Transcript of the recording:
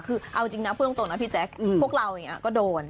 คือเอาจริงนะพูดตรงนะพี่แจ็คพวกเราก็โดน